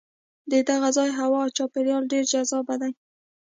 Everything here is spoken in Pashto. د دغه ځای هوا او چاپېریال ډېر جذاب دی.